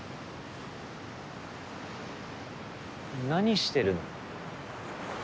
何してるの？